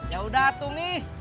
yaudah tuh mi